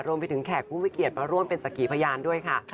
รวมไปถึงแขกผู้มีเกียรติมาร่วมเป็นสักขีพยานด้วยค่ะ